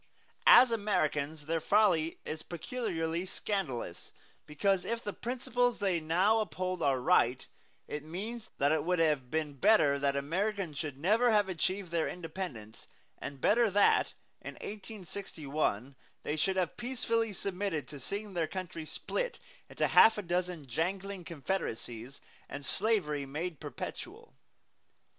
As Americans their folly is peculiarly scandalous, because if the principles they now uphold are right, it means that it would have been better that Americans should never have achieved their independence, and better that, in 1861, they should have peacefully submitted to seeing their country split into half a dozen jangling confederacies and slavery made perpetual.